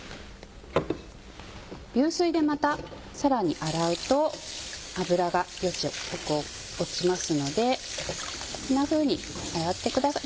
流水でまたさらに洗うと油が結構落ちますのでこんなふうに洗ってください。